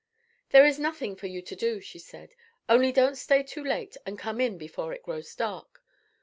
"There is nothing for you to do," she said. "Only don't stay too late, and come in before it grows dark.